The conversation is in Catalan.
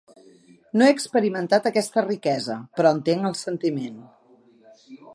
No he experimentat aquesta riquesa, però entenc el sentiment.